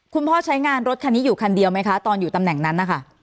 พ่อใช้งานรถคันนี้อยู่คันเดียวไหมคะตอนอยู่ตำแหน่งนั้นนะคะ